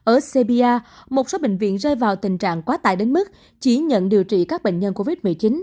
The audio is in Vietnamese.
ở serbia một số bệnh viện rơi vào tình trạng quá tải đến mức chỉ nhận điều trị các bệnh nhân covid một mươi chín